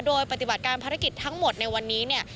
โดยปฏิบัติการภารกิจทั้งหมดในวันนี้เนี่ย